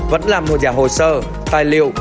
vẫn làm một giả hồ sơ tài liệu